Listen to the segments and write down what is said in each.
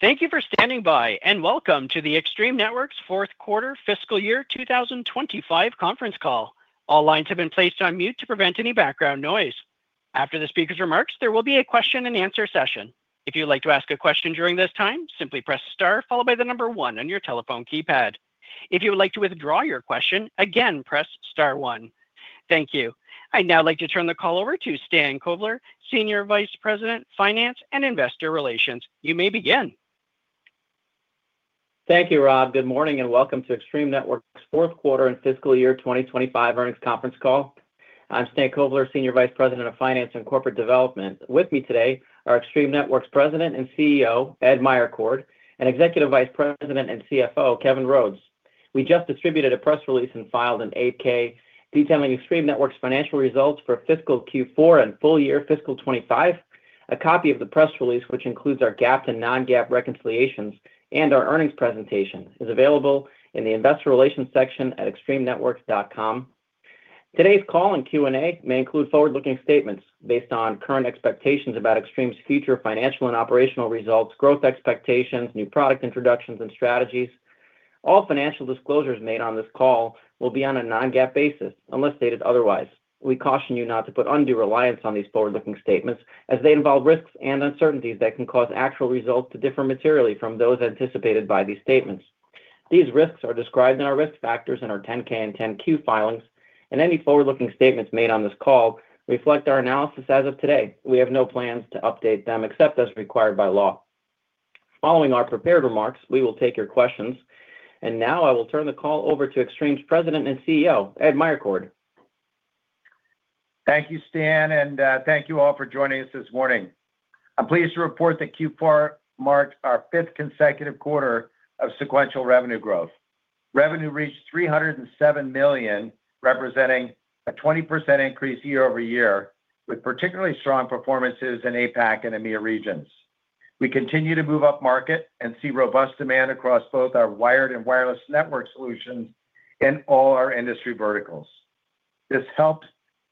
Thank you for standing by and welcome to the Extreme Networks Fourth Quarter Fiscal Year 2025 Conference Call. All lines have been placed on mute to prevent any background noise. After the speaker's remarks, there will be a question and answer session. If you would like to ask a question during this time, simply press Star followed by the number one on your telephone keypad. If you would like to withdraw your question, again press Star, one. Thank you. I'd now like to turn the call over to Stanley Kovler, Senior Vice President, Finance and Investor Relations. You may begin. Thank you, Rob. Good morning and welcome to Extreme Networks Fourth Quarter and Fiscal Year 2025 Earnings Conference Call. I'm Stan Kovler, Senior Vice President of Finance and Corporate Development. With me today are Extreme Networks President and CEO, Edward Meyercord, and Executive Vice President and CFO, Kevin Rhodes. We just distributed a press release and filed an 8-K detailing Extreme Networks' financial results for fiscal Q4 and full year fiscal 2025. A copy of the press release, which includes our GAAP and non-GAAP reconciliations and our earnings presentation, is available in the Investor Relations section at extremenetworks.com. Today's call and Q&A may include forward-looking statements based on current expectations about Extreme's future financial and operational results, growth expectations, new product introductions, and strategies. All financial disclosures made on this call will be on a non-GAAP basis unless stated otherwise. We caution you not to put undue reliance on these forward-looking statements as they involve risks and uncertainties that can cause actual results to differ materially from those anticipated by these statements. These risks are described in our risk factors and our 10-K and 10-Q filings, and any forward-looking statements made on this call reflect our analysis as of today. We have no plans to update them except as required by law. Following our prepared remarks, we will take your questions. I will turn the call over to Extreme's President and CEO, Edward Meyercord. Thank you, Stan, and thank you all for joining us this morning. I'm pleased to report that Q4 marked our fifth consecutive quarter of sequential revenue growth. Revenue reached $307 million, representing a 20% increase year over year with particularly strong performances in APAC and EMEA regions. We continue to move up market and see robust demand across both our wired and wireless network solutions in all our industry verticals. This helped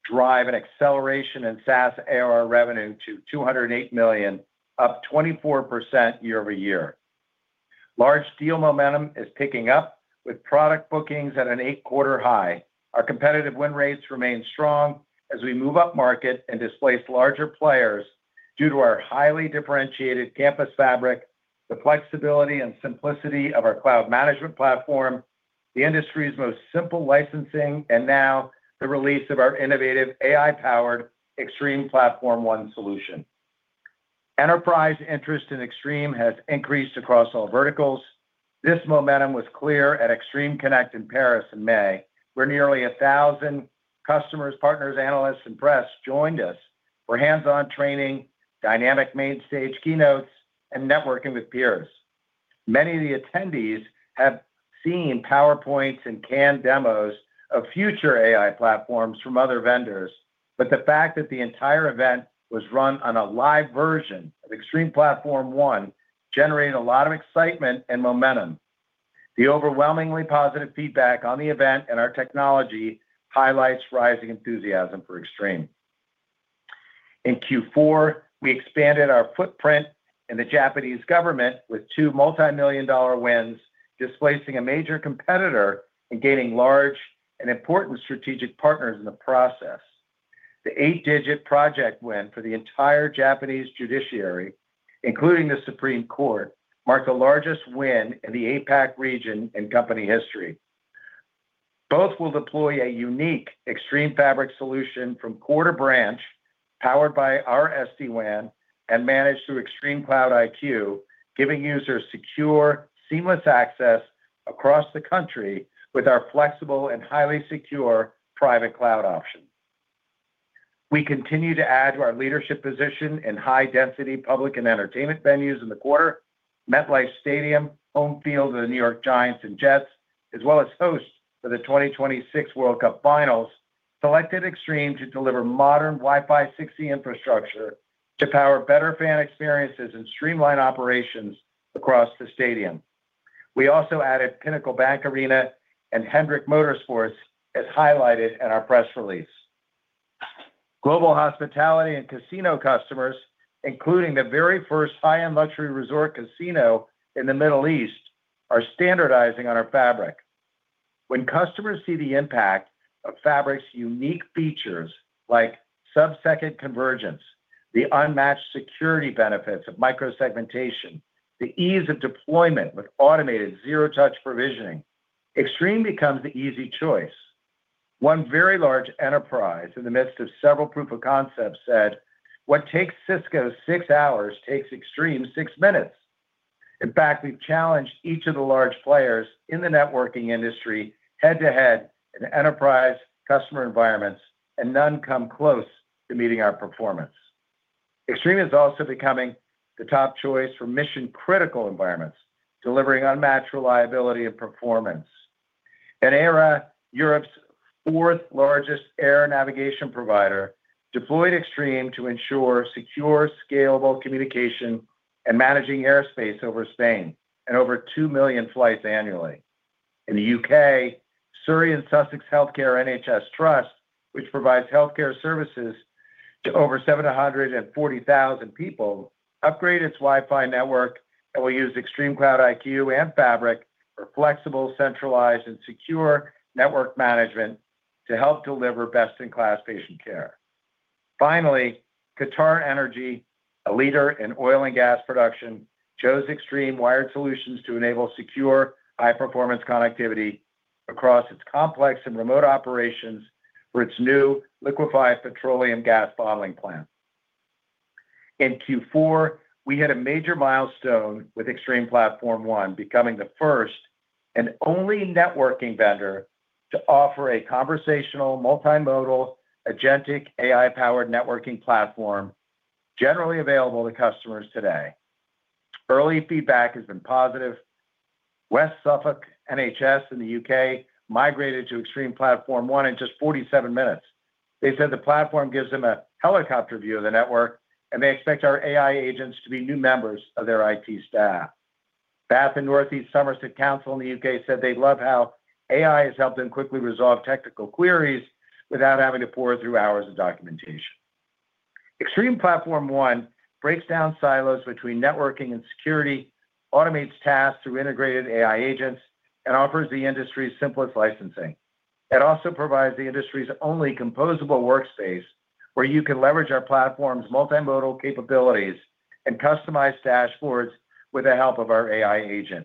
drive an acceleration in SaaS ARR revenue to $208 million, up 24% year-over-year. Large deal momentum is picking up with product bookings at an eight-quarter high. Our competitive win rates remain strong as we move up market and displace larger players due to our highly differentiated campus fabric, the flexibility and simplicity of our cloud management platform, the industry's most simple licensing, and now the release of our innovative AI-powered Extreme Platform ONE solution. Enterprise interest in Extreme has increased across all verticals. This momentum was clear at Extreme Connect in Paris in May, where nearly a thousand customers, partners, analysts, and press joined us for hands-on training, dynamic main stage keynotes, and networking with peers. Many of the attendees have seen PowerPoints and canned demos of future AI platforms from other vendors, but the fact that the entire event was run on a live version of Extreme Platform ONE generated a lot of excitement and momentum. The overwhelmingly positive feedback on the event and our technology highlights rising enthusiasm for Extreme. In Q4, we expanded our footprint in the Japanese government with two multimillion-dollar wins, displacing a major competitor and gaining large and important strategic partners in the process. The eight-digit project win for the entire Japanese judiciary, including the Supreme Court, marked the largest win in the APAC region in company history. Both will deploy a unique Extreme Fabric solution from Porter Branch, powered by our SD-WAN and managed through ExtremeCloud IQ, giving users secure, seamless access across the country with our flexible and highly secure private cloud option. We continue to add to our leadership position in high-density public and entertainment venues in the quarter. MetLife Stadium, home field of the New York Giants and Jets, as well as hosts for the 2026 World Cup Finals, selected Extreme to deliver modern Wi-Fi 6E infrastructure to power better fan experiences and streamline operations across the stadium. We also added Pinnacle Bank Arena and Hendrick Motorsports as highlighted in our press release. Global hospitality and casino customers, including the very first high-end luxury resort casino in the Middle East, are standardizing on our fabric. When customers see the impact of fabric's unique features like sub-second convergence, the unmatched security benefits of micro-segmentation, the ease of deployment with automated zero-touch provisioning, Extreme becomes the easy choice. One very large enterprise in the midst of several proof of concepts said, "What takes Cisco six hours takes Extreme six minutes." In fact, we've challenged each of the large players in the networking industry head-to-head in enterprise customer environments, and none come close to meeting our performance. Extreme is also becoming the top choice for mission-critical environments, delivering unmatched reliability and performance. In ERA, Europe's fourth largest air navigation provider, deployed Extreme to ensure secure, scalable communication and managing airspace overseeing over 2 million flights annually. In the U.K., Surrey and Sussex Healthcare NHS Trust, which provides healthcare services to over 740,000 people, upgraded its Wi-Fi network and will use ExtremeCloud IQ and fabric for flexible, centralized, and secure network management to help deliver best-in-class patient care. Finally, Qatar Energy, a leader in oil and gas production, chose Extreme Wired Solutions to enable secure, high-performance connectivity across its complex and remote operations for its new liquefied petroleum gas bottling plant. In Q4, we had a major milestone with Extreme Platform ONE becoming the first and only networking vendor to offer a conversational, multimodal agentic AI-powered networking platform generally available to customers today. Early feedback has been positive. West Suffolk NHS in the U.K. migrated to Extreme Platform ONE in just 47 minutes. They said the platform gives them a helicopter view of the network, and they expect our AI agents to be new members of their IT staff. Bath and Northeast Somerset Council in the U.K. said they love how AI has helped them quickly resolve technical queries without having to pour through hours of documentation. Extreme Platform ONE breaks down silos between networking and security, automates tasks through integrated AI agents, and offers the industry's simplest licensing. It also provides the industry's only composable workspace where you can leverage our platform's multimodal capabilities and customize dashboards with the help of our AI agent.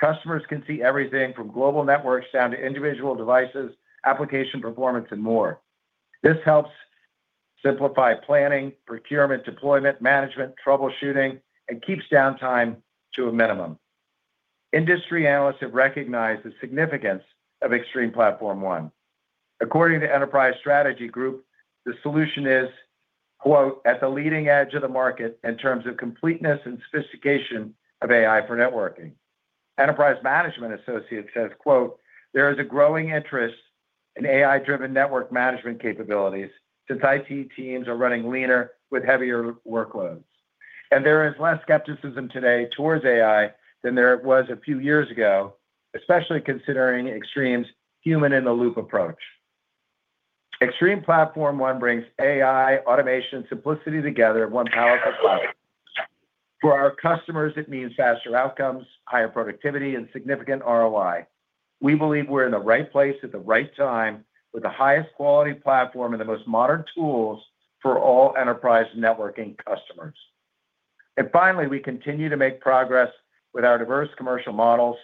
Customers can see everything from global networks down to individual devices, application performance, and more. This helps simplify planning, procurement, deployment, management, troubleshooting, and keeps downtime to a minimum. Industry analysts have recognized the significance of Extreme Platform ONE. According to Enterprise Strategy Group, the solution is, quote, "at the leading edge of the market in terms of completeness and sophistication of AI for networking." Enterprise Management Associates says, quote, "there is a growing interest in AI-driven network management capabilities since IT teams are running leaner with heavier workloads." There is less skepticism today towards AI than there was a few years ago, especially considering Extreme's human-in-the-loop approach. Extreme Platform ONE brings AI, automation, and simplicity together in one powerful platform. For our customers, it means faster outcomes, higher productivity, and significant ROI. We believe we're in the right place at the right time with the highest quality platform and the most modern tools for all enterprise networking customers. Finally, we continue to make progress with our diverse commercial models,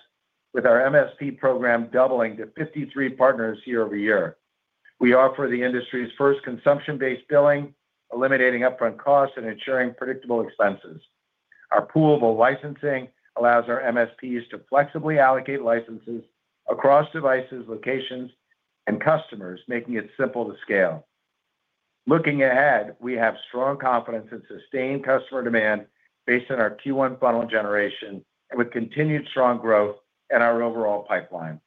with our MFT program doubling to 53 partners year-over-year. We offer the industry's first consumption-based billing, eliminating upfront costs and ensuring predictable expenses. Our poolable licensing allows our MFTs to flexibly allocate licenses across devices, locations, and customers, making it simple to scale. Looking ahead, we have strong confidence in sustained customer demand based on our Q1 funnel generation and with continued strong growth in our overall pipeline.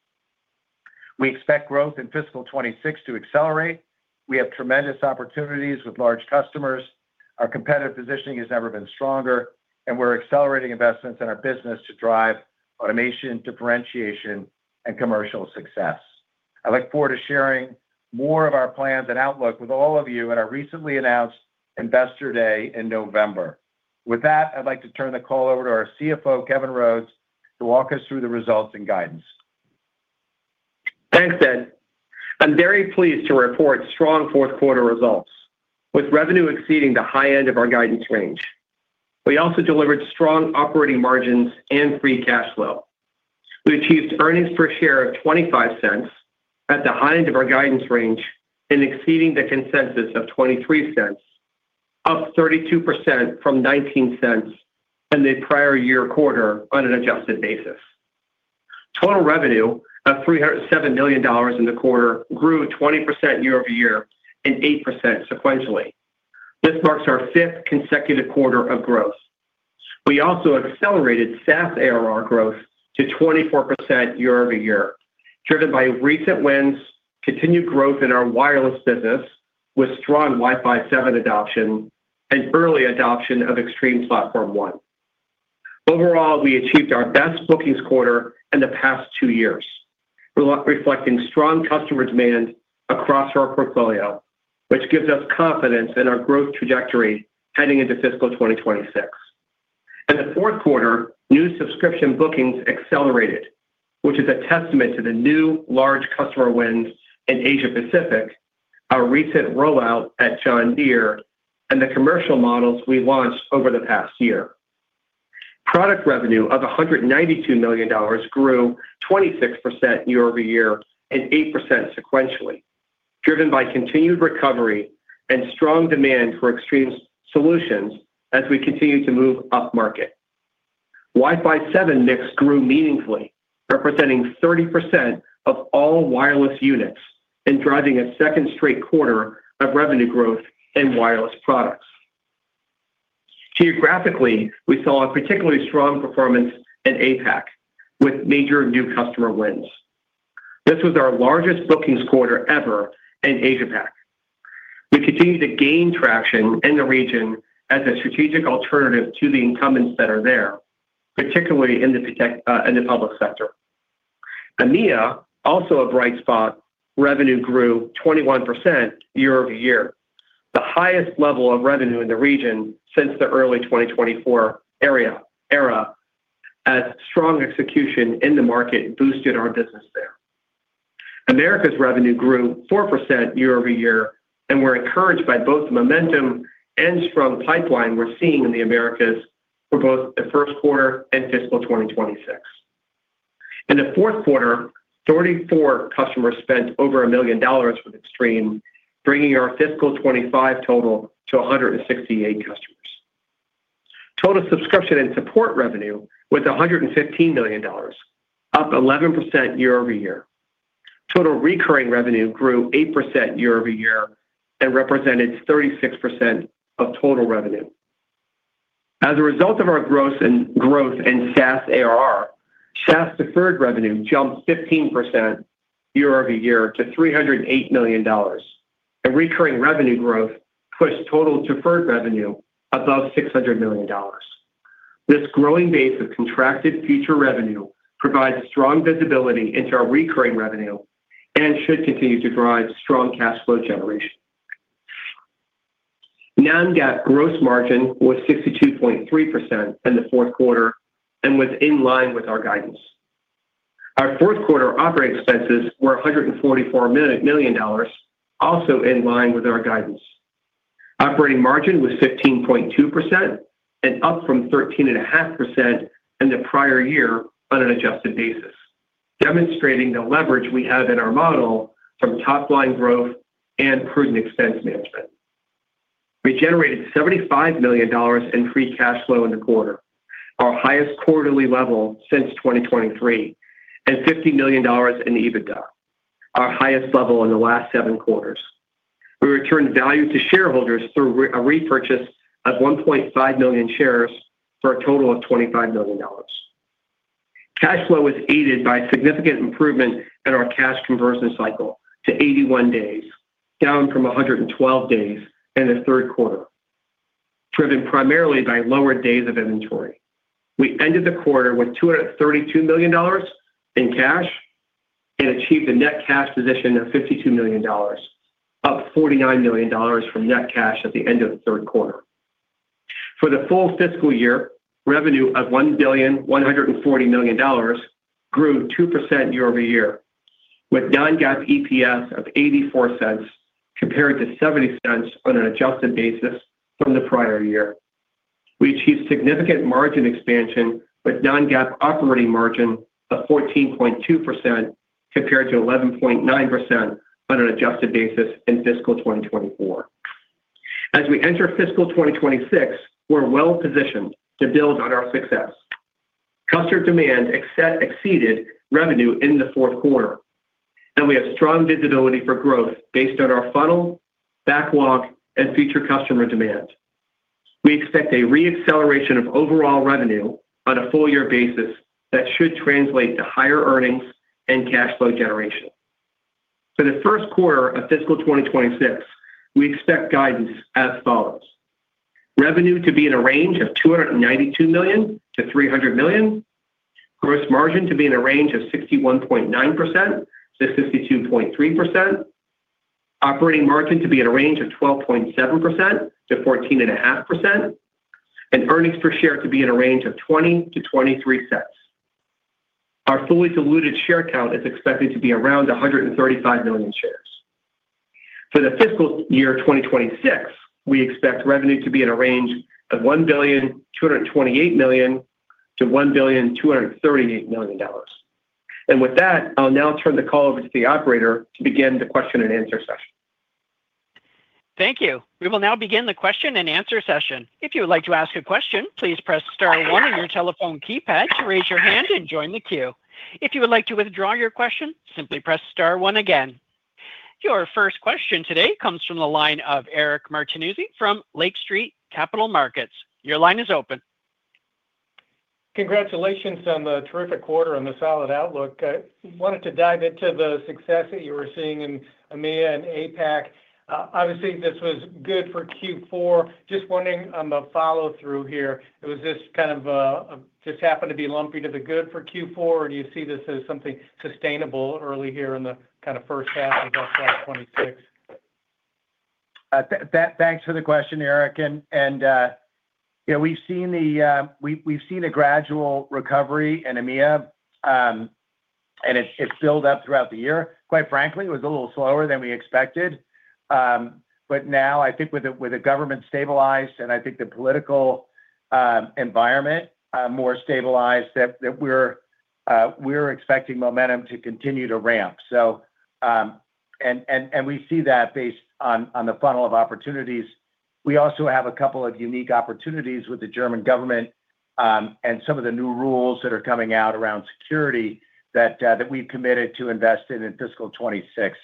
We expect growth in fiscal 2026 to accelerate. We have tremendous opportunities with large customers. Our competitive positioning has never been stronger, and we're accelerating investments in our business to drive automation, differentiation, and commercial success. I look forward to sharing more of our plans and outlook with all of you at our recently announced Investor Day in November. With that, I'd like to turn the call over to our CFO, Kevin Rhodes, to walk us through the results and guidance. Thanks, Ed. I'm very pleased to report strong fourth quarter results with revenue exceeding the high end of our guidance range. We also delivered strong operating margins and free cash flow. We achieved earnings per share of $0.25 at the high end of our guidance range and exceeding the consensus of $0.23, up 32% from $0.19 in the prior year quarter on an adjusted basis. Total revenue of $307 million in the quarter grew 20% year-over-year and 8% sequentially. This marks our fifth consecutive quarter of growth. We also have accelerated SaaS ARR growth to 24% year-over-year, driven by recent wins, continued growth in our wireless business with strong Wi-Fi 7 adoption, and early adoption of Extreme Platform ONE. Overall, we achieved our best bookings quarter in the past two years, reflecting strong customer demand across our portfolio, which gives us confidence in our growth trajectory heading into fiscal 2026. In the fourth quarter, new subscription bookings accelerated, which is a testament to the new large customer wins in Asia-Pacific, our recent rollout at John Deere, and the commercial models we launched over the past year. Product revenue of $192 million grew 26% year-over-year and 8% sequentially, driven by continued recovery and strong demand for Extreme's solutions as we continue to move up market. Wi-Fi 7 mix grew meaningfully, representing 30% of all wireless units and driving a second straight quarter of revenue growth in wireless products. Geographically, we saw a particularly strong performance in APAC with major new customer wins. This was our largest bookings quarter ever in Asia-Pacific. We continue to gain traction in the region as a strategic alternative to the incumbents that are there, particularly in the public sector. EMEA, also a bright spot, revenue grew 21% year-over-year, the highest level of revenue in the region since the early 2024 era, as strong execution in the market boosted our business there. America's revenue grew 4% year-over-year, and we're encouraged by both the momentum and strong pipeline we're seeing in the Americas for both the first quarter and fiscal 2026. In the fourth quarter, 34 customers spent over $1 million with Extreme, bringing our fiscal 2025 total to 168 customers. Total subscription and support revenue was $115 million, up 11% year-over-year. Total recurring revenue grew 8% year-over-year and represented 36% of total revenue. As a result of our growth in SaaS ARR, SaaS deferred revenue jumped 15% year-over-year to $308 million, and recurring revenue growth pushed total deferred revenue above $600 million. This growing base of contracted future revenue provides strong visibility into our recurring revenue and should continue to drive strong cash flow generation. Non-GAAP gross margin was 62.3% in the fourth quarter and was in line with our guidance. Our fourth quarter operating expenses were $144 million, also in line with our guidance. Operating margin was 15.2% and up from 13.5% in the prior year on an adjusted basis, demonstrating the leverage we have in our model from top-line growth and prudent expense management. We generated $75 million in free cash flow in the quarter, our highest quarterly level since 2023, and $50 million in EBITDA, our highest level in the last seven quarters. We returned value to shareholders through a repurchase of 1.5 million shares for a total of $25 million. Cash flow was aided by a significant improvement in our cash conversion cycle to 81 days, down from 112 days in the third quarter, driven primarily by lower days of inventory. We ended the quarter with $232 million in cash and achieved a net cash position of $52 million, up $49 million from net cash at the end of the third quarter. For the full fiscal year, revenue of $1.14 billion grew 2% year-over-year, with non-GAAP EPS of $0.84 compared to $0.70 on an adjusted basis from the prior year. We achieved significant margin expansion with non-GAAP operating margin of 14.2% compared to 11.9% on an adjusted basis in fiscal 2024. As we enter fiscal 2026, we're well positioned to build on our success. Customer demand exceeded revenue in the fourth quarter, and we have strong visibility for growth based on our funnel, backlog, and future customer demand. We expect a re-acceleration of overall revenue on a full-year basis that should translate to higher earnings and cash flow generation. For the first quarter of fiscal 2026, we expect guidance as follows: revenue to be in a range of $292 million-$300 million, gross margin to be in a range of 61.9%-62.3%, operating margin to be in a range of 12.7%-14.5%, and earnings per share to be in a range of $0.20-$0.23. Our fully diluted share count is expected to be around 135 million shares. For the fiscal year 2026, we expect revenue to be in a range of $1.228 billion-$1.238 billion. With that, I'll now turn the call over to the operator to begin the question-and-answer session. Thank you. We will now begin the question-and-answer session. If you would like to ask a question, please press Star, one on your telephone keypad to raise your hand and join the queue. If you would like to withdraw your question, simply press Star, one again. Your first question today comes from the line of Eric Martinuzzi from Lake Street Capital Markets. Your line is open. Congratulations on the terrific quarter and the solid outlook. I wanted to dive into the success that you were seeing in EMEA and APAC. Obviously, this was good for Q4. Just wondering on the follow-through here, was this kind of just happened to be lumpy to the good for Q4, or do you see this as something sustainable early here in the kind of first half, I thought, of 2026? Thanks for the question, Eric. We've seen a gradual recovery in EMEA, and it's filled up throughout the year. Quite frankly, it was a little slower than we expected. Now, I think with the government stabilized and the political environment more stabilized, we're expecting momentum to continue to ramp. We see that based on the funnel of opportunities. We also have a couple of unique opportunities with the German government and some of the new rules that are coming out around security that we've committed to invest in in fiscal 2026.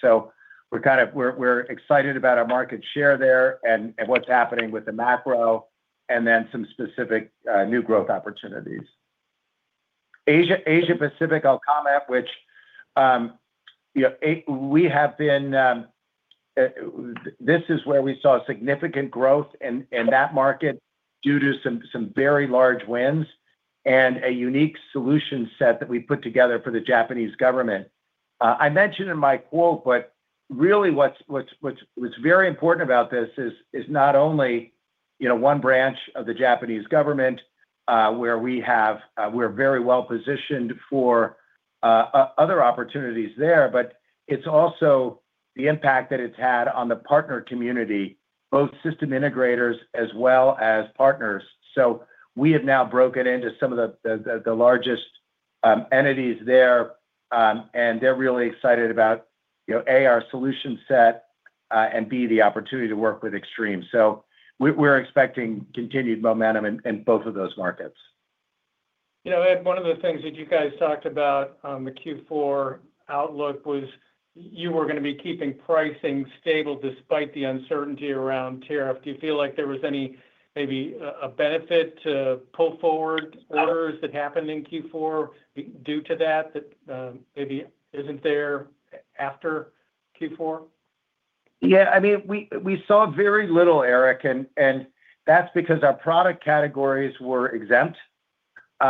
We're excited about our market share there and what's happening with the macro and then some specific new growth opportunities. Asia-Pacific, I'll comment, which we have been, this is where we saw significant growth in that market due to some very large wins and a unique solution set that we put together for the Japanese government. I mentioned in my quote, but really what's very important about this is not only one branch of the Japanese government where we have, we're very well positioned for other opportunities there, but it's also the impact that it's had on the partner community, both system integrators as well as partners. We have now broken into some of the largest entities there, and they're really excited about, you know, A, our solution set, and B, the opportunity to work with Extreme. We're expecting continued momentum in both of those markets. You know, Ed, one of the things that you guys talked about on the Q4 outlook was you were going to be keeping pricing stable despite the uncertainty around tariff. Do you feel like there was any maybe a benefit to pull forward orders that happened in Q4 due to that that maybe isn't there after Q4? Yeah, I mean, we saw very little, Eric, and that's because our product categories were exempt. We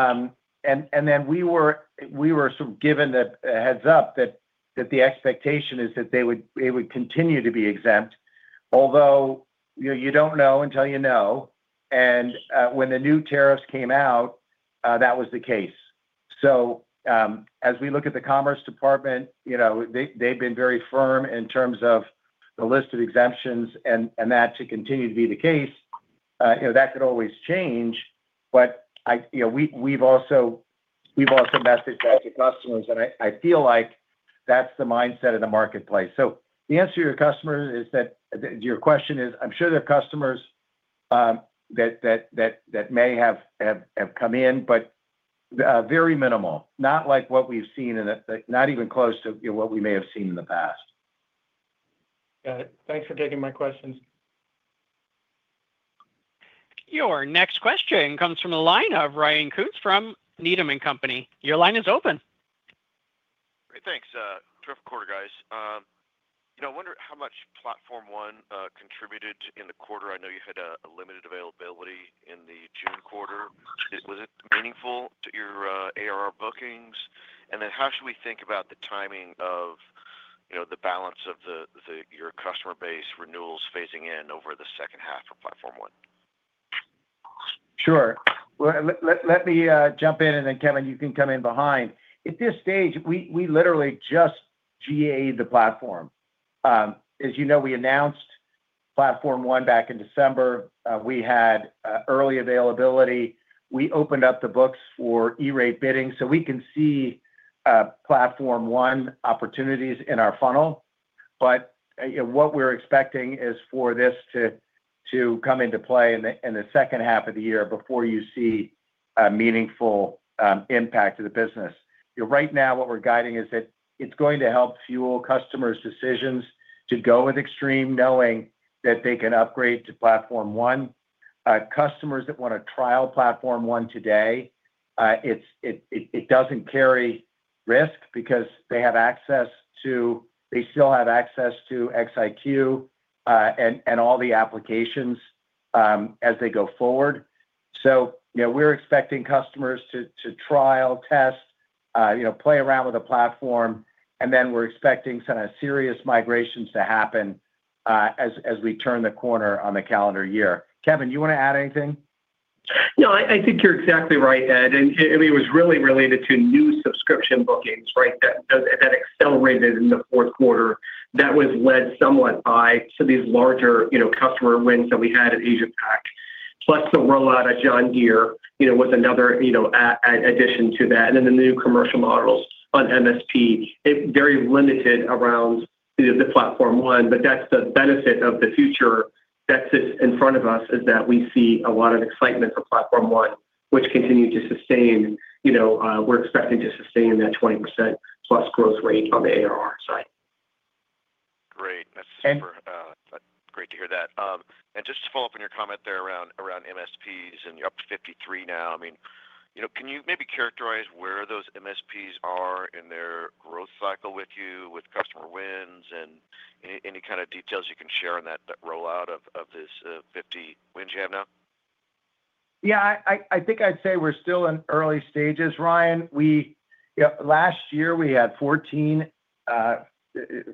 were sort of given a heads up that the expectation is that they would continue to be exempt, although you don't know until you know. When the new tariffs came out, that was the case. As we look at the Commerce Department, they've been very firm in terms of the list of exemptions and that continues to be the case. That could always change. We've also messaged back to customers, and I feel like that's the mindset in the marketplace. The answer to your question is I'm sure there are customers that may have come in, but very minimal, not like what we've seen in the, not even close to what we may have seen in the past. Got it. Thanks for taking my questions. Your next question comes from a line of Ryan Boyer Koontz from Needham & Company. Your line is open. Great, thanks. Terrific quarter, guys. I wonder how much Extreme Platform ONE contributed in the quarter. I know you had a limited availability in the June quarter. Was it meaningful to your ARR bookings? How should we think about the timing of the balance of your customer base renewals phasing in over the second half of Extreme Platform ONE? Sure. Let me jump in, and then Kevin, you can come in behind. At this stage, we literally just GA'd the platform. As you know, we announced Extreme Platform ONE back in December. We had early availability. We opened up the books for E-rate bidding so we can see Extreme Platform ONE opportunities in our funnel. What we're expecting is for this to come into play in the second half of the year before you see a meaningful impact to the business. Right now, what we're guiding is that it's going to help fuel customers' decisions to go with Extreme Networks knowing that they can upgrade to Extreme Platform ONE. Customers that want to trial Extreme Platform ONE today, it doesn't carry risk because they have access to, they still have access to ExtremeCloud IQ and all the applications as they go forward. We're expecting customers to trial, test, play around with the platform, and then we're expecting some serious migrations to happen as we turn the corner on the calendar year. Kevin, you want to add anything? Yeah, I think you're exactly right, Ed. It was really related to new subscription bookings that accelerated in the fourth quarter. That was led somewhat by some of these larger customer wins that we had in APAC. Plus the rollout of John Deere was another addition to that. The new commercial model on MSP was very limited around the Extreme Platform ONE. That's the benefit of the future that sits in front of us, as we see a lot of excitement for Extreme Platform ONE, which continues to sustain. We're expecting to sustain that 20%+ growth rate on the ARR side. Great. That's super, great to hear that. Just to follow up on your comment there around MSPs and you're up to 53 now. I mean, can you maybe characterize where those MSPs are in their growth cycle with you, with customer wins and any kind of details you can share on that rollout of this 50 wins you have now? Yeah, I think I'd say we're still in early stages, Ryan. Last year we had 14,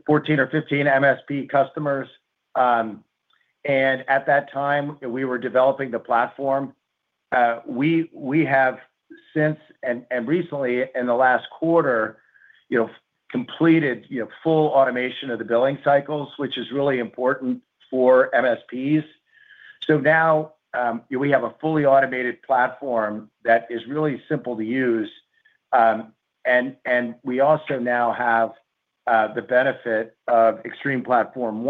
14 or 15 MSP customers. At that time, we were developing the platform. We have since, and recently in the last quarter, completed full automation of the billing cycles, which is really important for MSPs. Now we have a fully automated platform that is really simple to use. We also now have the benefit of Extreme Platform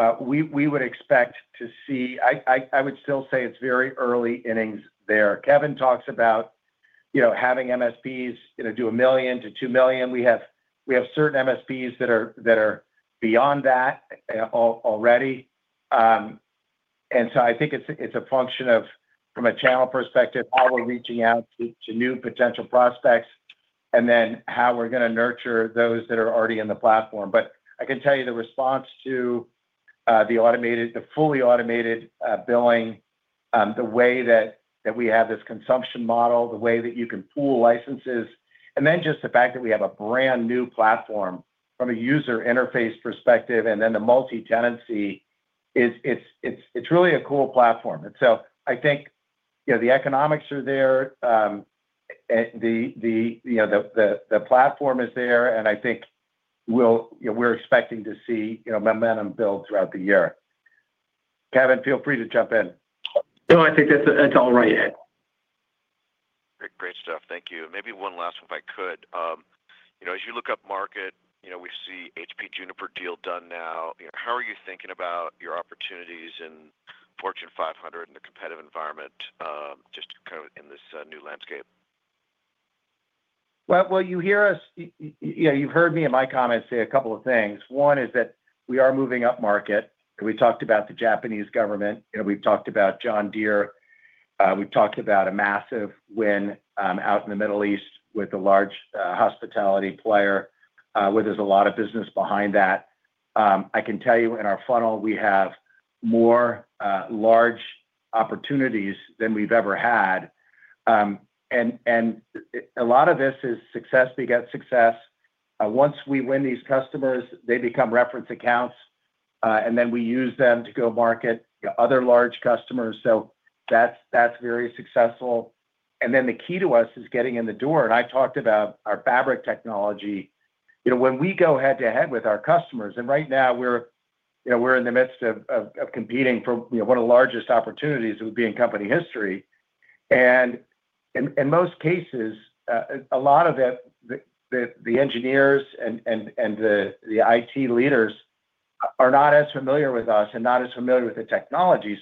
ONE. I would still say it's very early innings there. Kevin talks about having MSPs do $1 million-$2 million. We have certain MSPs that are beyond that already. I think it's a function of, from a channel perspective, how we're reaching out to new potential prospects and then how we're going to nurture those that are already in the platform. I can tell you the response to the fully automated billing, the way that we have this consumption model, the way that you can pool licenses, and just the fact that we have a brand new platform from a user interface perspective and then the multi-tenancy is, it's really a cool platform. I think the economics are there, and the platform is there, and I think we're expecting to see momentum build throughout the year. Kevin, feel free to jump in. No, I think that's all right. Great, great stuff. Thank you. Maybe one last one, if I could. As you look up market, we see the HPE-Juniper deal done now. How are you thinking about your opportunities in Fortune 500 and the competitive environment, just kind of in this new landscape? You hear us, you know, you've heard me in my comments say a couple of things. One is that we are moving up market. We talked about the Japanese government. We've talked about John Deere. We've talked about a massive win out in the Middle East with a large hospitality player, where there's a lot of business behind that. I can tell you in our funnel, we have more large opportunities than we've ever had. A lot of this is success begets success. Once we win these customers, they become reference accounts, and then we use them to go market other large customers. That's very successful. The key to us is getting in the door. I talked about our fabric technology. When we go head-to-head with our customers, and right now we're, you know, we're in the midst of competing for one of the largest opportunities it would be in company history. In most cases, a lot of it, the engineers and the IT leaders are not as familiar with us and not as familiar with the technology.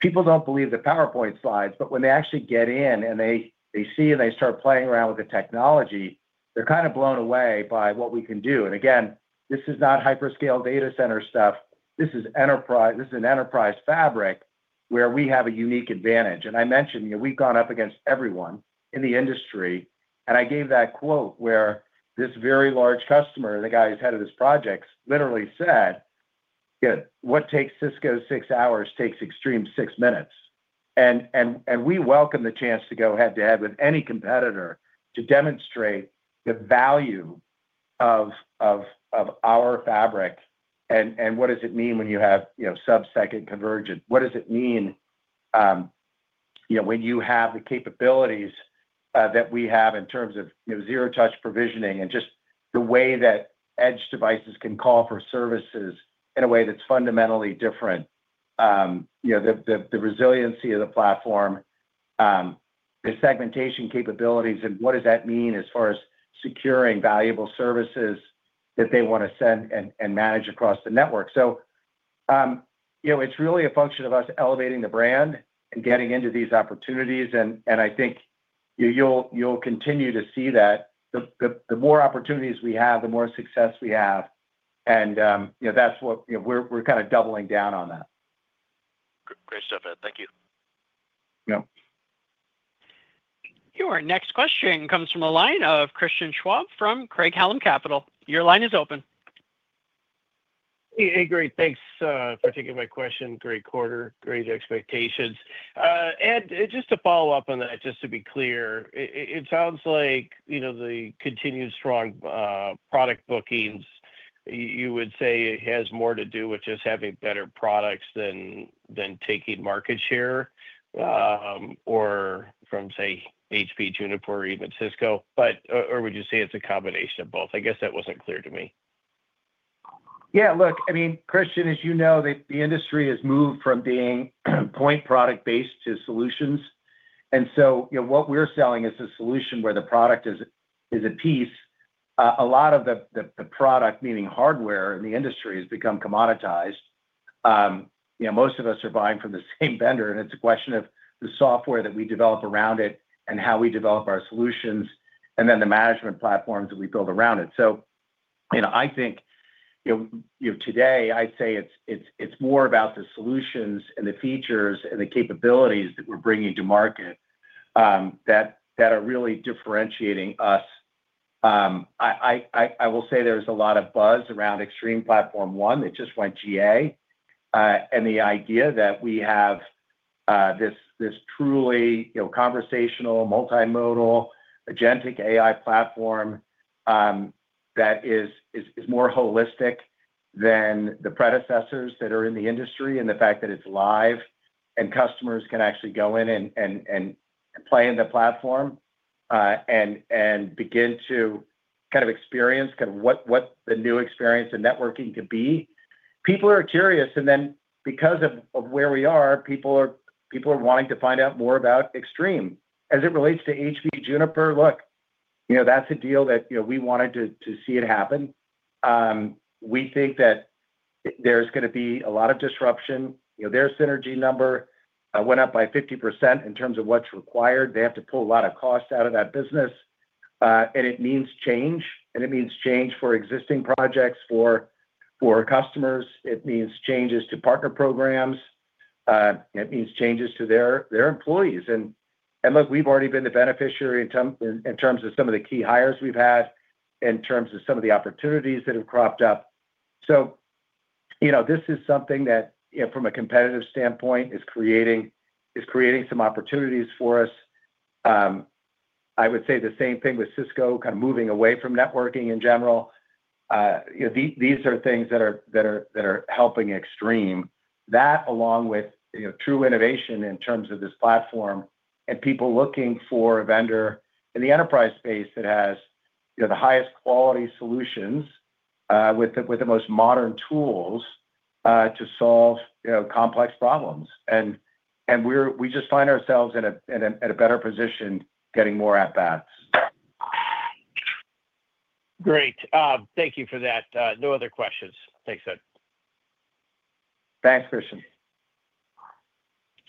People don't believe the PowerPoint slides, but when they actually get in and they see and they start playing around with the technology, they're kind of blown away by what we can do. This is not hyperscale data center stuff. This is enterprise, this is an enterprise fabric where we have a unique advantage. I mentioned, you know, we've gone up against everyone in the industry. I gave that quote where this very large customer, the guy who's head of this project, literally said, you know, what takes Cisco six hours takes Extreme six minutes. We welcome the chance to go head-to-head with any competitor to demonstrate the value of our fabric and what does it mean when you have, you know, sub-second convergence. What does it mean, you know, when you have the capabilities that we have in terms of, you know, zero-touch provisioning and just the way that edge devices can call for services in a way that's fundamentally different. The resiliency of the platform, the segmentation capabilities, and what does that mean as far as securing valuable services that they want to send and manage across the network. It's really a function of us elevating the brand and getting into these opportunities. I think you'll continue to see that the more opportunities we have, the more success we have. That's what we're kind of doubling down on. Great stuff, Ed. Thank you. Your next question comes from a line of Christian David Schwab from Craig-Hallum Capital. Your line is open. Hey, great. Thanks for taking my question. Great quarter, great expectations. Ed, just to follow up on that, just to be clear, it sounds like the continued strong product bookings, you would say it has more to do with just having better products than taking market share or from, say, HPE, Juniper, or even Cisco, or would you say it's a combination of both? I guess that wasn't clear to me. Yeah, look, I mean, Christian, as you know, the industry has moved from being point product-based to solutions. What we're selling is a solution where the product is a piece. A lot of the product, meaning hardware in the industry, has become commoditized. Most of us are buying from the same vendor, and it's a question of the software that we develop around it and how we develop our solutions and then the management platforms that we build around it. I think today I'd say it's more about the solutions and the features and the capabilities that we're bringing to market that are really differentiating us. I will say there's a lot of buzz around Extreme Platform ONE that just went GA and the idea that we have this truly conversational, multimodal, agentic AI platform that is more holistic than the predecessors that are in the industry and the fact that it's live and customers can actually go in and play in the platform and begin to kind of experience what the new experience in networking could be. People are curious, and then because of where we are, people are wanting to find out more about Extreme as it relates to HPE Juniper. That's a deal that we wanted to see happen. We think that there's going to be a lot of disruption. Their synergy number went up by 50% in terms of what's required. They have to pull a lot of costs out of that business, and it means change, and it means change for existing projects, for customers. It means changes to partner programs. It means changes to their employees. We've already been the beneficiary in terms of some of the key hires we've had, in terms of some of the opportunities that have cropped up. This is something that from a competitive standpoint is creating some opportunities for us. I would say the same thing with Cisco kind of moving away from networking in general. These are things that are helping Extreme. That along with true innovation in terms of this platform and people looking for a vendor in the enterprise space that has the highest quality solutions with the most modern tools to solve complex problems. We just find ourselves in a better position getting more at that. Great. Thank you for that. No other questions. Thanks, Ed. Thanks, Christian.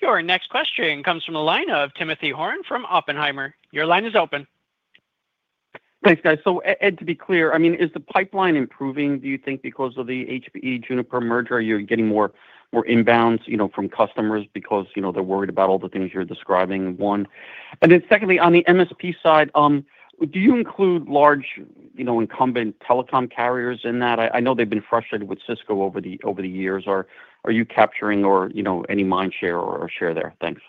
Your next question comes from a line of Timothy Horan from Oppenheimer. Your line is open. Thanks, guys. Ed, to be clear, is the pipeline improving? Do you think because of the HPE-Juniper merger you're getting more inbounds from customers because they're worried about all the things you're describing, one? Secondly, on the MSP side, do you include large incumbent telecom carriers in that? I know they've been frustrated with Cisco over the years. Are you capturing or any mind share or share there? Thanks.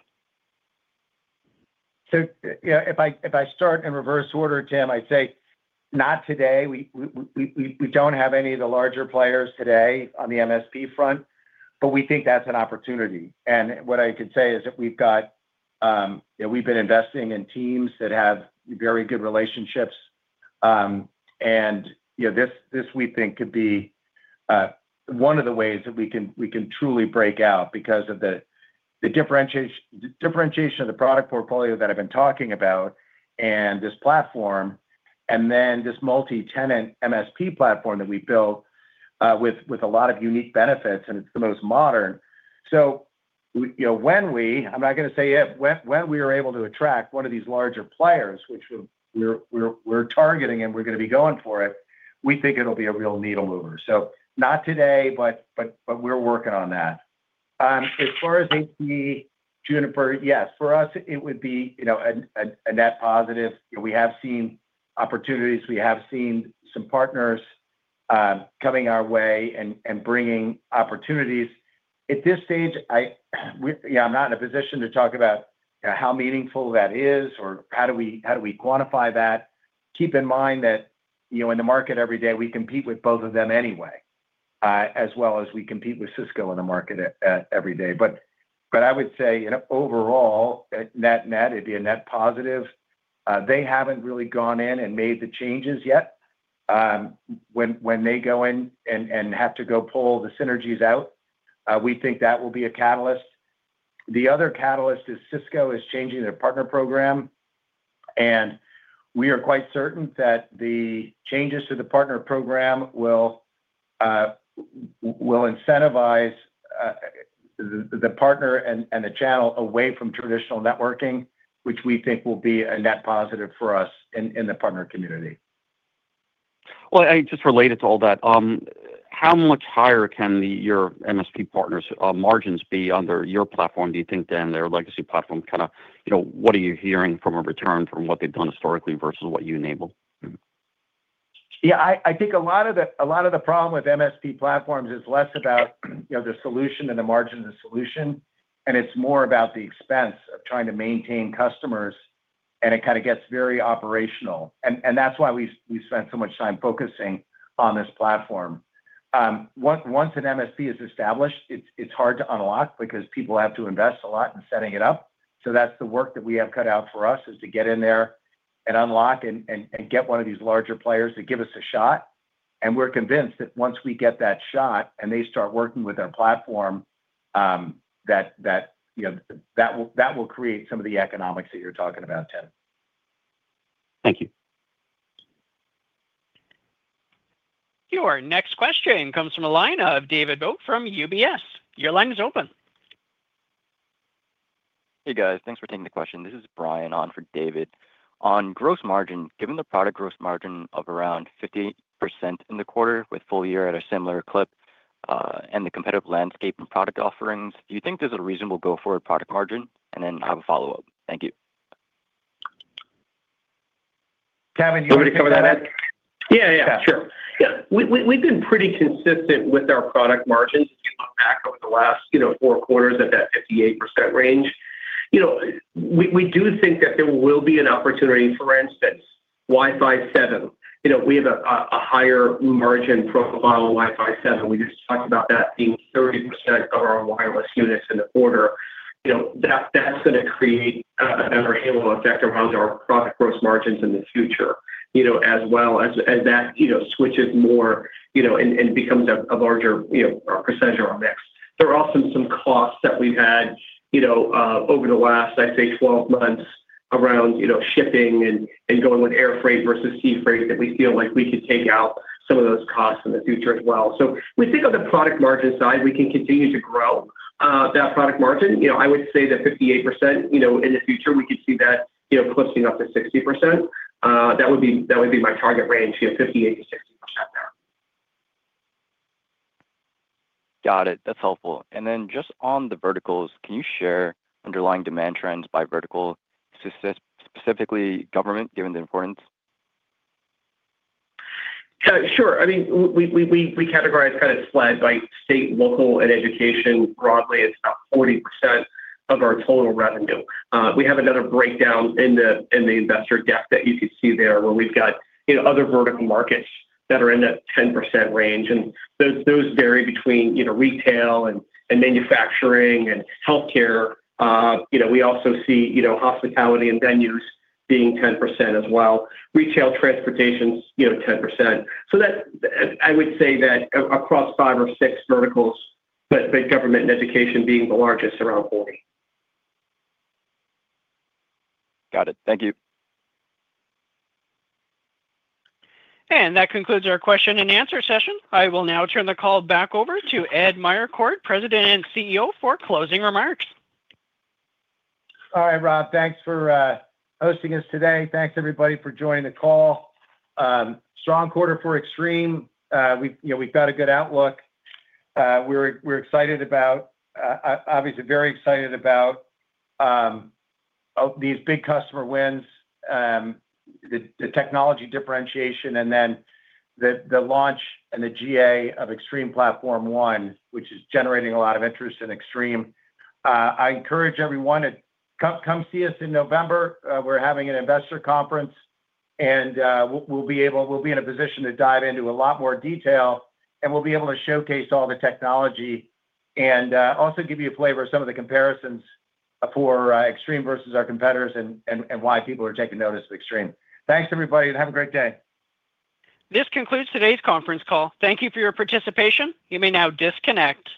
If I start in reverse order, Tim, I'd say not today. We don't have any of the larger players today on the managed service provider front, but we think that's an opportunity. What I could say is that we've been investing in teams that have very good relationships. We think this could be one of the ways that we can truly break out because of the differentiation of the product portfolio that I've been talking about and this platform and then this multi-tenant managed service provider platform that we've built with a lot of unique benefits, and it's the most modern. When we are able to attract one of these larger players, which we're targeting and we're going to be going for it, we think it'll be a real needle mover. Not today, but we're working on that. As far as HPE and Juniper, yes, for us, it would be a net positive. We have seen opportunities. We have seen some partners coming our way and bringing opportunities. At this stage, I'm not in a position to talk about how meaningful that is or how we quantify that. Keep in mind that in the market every day, we compete with both of them anyway, as well as we compete with Cisco in the market every day. I would say overall, net net, it'd be a net positive. They haven't really gone in and made the changes yet. When they go in and have to go pull the synergies out, we think that will be a catalyst. The other catalyst is Cisco is changing their partner program. We are quite certain that the changes to the partner program will incentivize the partner and the channel away from traditional networking, which we think will be a net positive for us in the partner community. Just related to all that, how much higher can your MSP partners' margins be under your platform? Do you think then their legacy platform, kind of, you know, what are you hearing from a return from what they've done historically versus what you enable? Yeah, I think a lot of the problem with MSP platforms is less about the solution and the margin of the solution, and it's more about the expense of trying to maintain customers. It kind of gets very operational. That is why we spent so much time focusing on this platform. Once an MSP is established, it's hard to unlock because people have to invest a lot in setting it up. That is the work that we have cut out for us, to get in there and unlock and get one of these larger players to give us a shot. We're convinced that once we get that shot and they start working with our platform, that will create some of the economics that you're talking about, Tim. Thank you. Your next question comes from a line of David Vogt from UBS from UBS. Your line is open. Hey guys, thanks for taking the question. This is Brian on for David. On gross margin, given the product gross margin of around 50% in the quarter with full year at a similar clip and the competitive landscape and product offerings, do you think there's a reasonable go forward product margin? I have a follow-up. Thank you. Kevin, you want to cover that? Yeah, we've been pretty consistent with our product margins back over the last, you know, four quarters at that 58% range. We do think that there will be an opportunity, for instance, Wi-Fi 7. We have a higher margin profile of Wi-Fi 7. We just talked about that being 30% of our wireless units in the quarter. That's going to create an underhandled effect around our product gross margins in the future, as well as that, you know, switches more and becomes a larger percentage of our mix. There are often some costs that we've had over the last, I'd say, 12 months around shipping and going with air freight versus sea freight that we feel like we could take out some of those costs in the future as well. We think on the product margin side, we can continue to grow that product margin. I would say that 58%, in the future, we could see that, you know, eclipsing up to 60%. That would be my target range, 58% there. Got it. That's helpful. Can you share underlying demand trends by vertical, specifically government, given the importance? Sure. I mean, we categorize kind of flat by state, local, and education broadly. It's about 40% of our total revenue. We have another breakdown in the investor deck that you can see there, where we've got other vertical markets that are in that 10% range. Those vary between, you know, retail and manufacturing and healthcare. We also see, you know, hospitality and venues being 10% as well. Retail transportation is 10%. I would say that across five or six verticals, but government and education being the largest around 40%. Got it. Thank you. That concludes our question-and -nswer session. I will now turn the call back over to Edward Meyercord, President and CEO, for closing remarks. All right, Rob, thanks for hosting us today. Thanks everybody for joining the call. Strong quarter for Extreme. We've got a good outlook. We're excited about, obviously, very excited about these big customer wins, the technology differentiation, and the launch and the GA of Extreme Platform One, which is generating a lot of interest in Extreme. I encourage everyone to come see us in November. We're having an investor conference, and we'll be able to dive into a lot more detail, and we'll be able to showcase all the technology and also give you a flavor of some of the comparisons for Extreme versus our competitors and why people are taking notice of Extreme. Thanks everybody, and have a great day. This concludes today's conference call. Thank you for your participation. You may now disconnect.